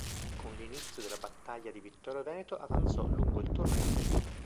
Con l'inizio della Battaglia di Vittorio Veneto avanzò lungo il torrente Leno.